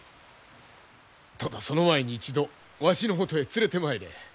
ただその前に一度わしのもとへ連れてまいれ。